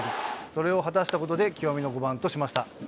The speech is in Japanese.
それを果たしたことで、極みの５番としました。